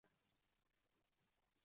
Elchilar yoshlar bilan uchrashdi